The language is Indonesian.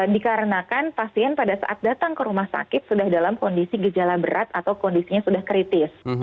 dikarenakan pasien pada saat datang ke rumah sakit sudah dalam kondisi gejala berat atau kondisinya sudah kritis